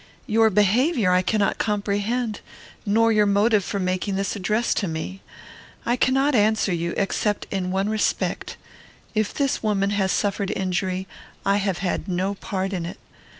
Your behaviour I cannot comprehend, nor your motive for making this address to me. I cannot answer you, except in one respect. If this woman has suffered injury, I have had no part in it.